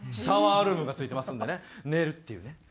シャワールームが付いてますんで寝るっていうね。